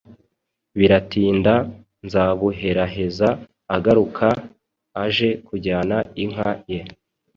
biratinda nzabuheraheza agaruka aje kujyana inka ye